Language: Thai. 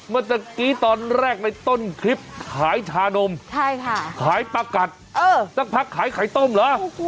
เมื่อกี้ตอนแรกในต้นคลิปขายชานมขายปลากัดสักพักขายไข่ต้มเหรอ